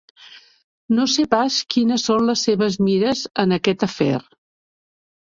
No sé pas quines són les seves mires en aquest afer.